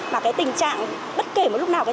mà cái tình trạng bất kể lúc nào